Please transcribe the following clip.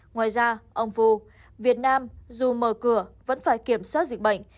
ngoài ra ông fu việt nam dù mở cửa vẫn phải kiểm soát dịch bệnh